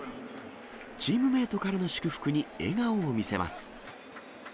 チームメートからの祝福に笑顔を見せます。